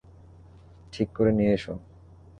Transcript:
ঠিক করে নিয়ে এসো।